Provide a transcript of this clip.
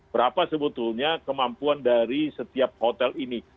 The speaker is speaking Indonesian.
berapa sebetulnya kemampuan dari setiap hotel ini